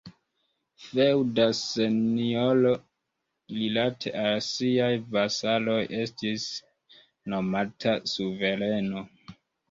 Feŭda senjoro rilate al siaj vasaloj estis nomata suvereno.